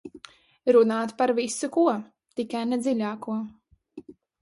Runāt par visu ko, tikai ne dziļāko.